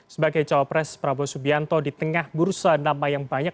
sebagai cawapres prabowo subianto di tengah bursa nama yang banyak